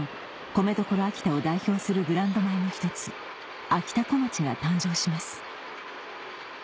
米どころ秋田を代表するブランド米の１つあきたこまちが誕生します